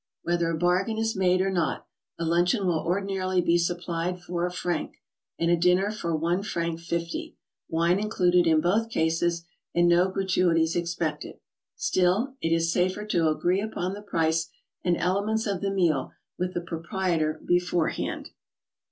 Whether a bargain is made or not, a luncheon will ordinarily be supplied for a franc, and a dinner for one franc fifty — wine included in both cases and no gratuities expected. Still, it is safer to agree upon the price and elements of the meal with the pro prietor beforehand.